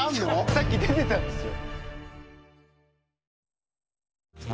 さっき出てたんですよ。